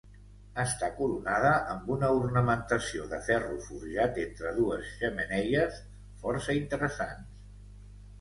Està coronada amb una ornamentació de ferro forjat entre dues xemeneies, força interessants.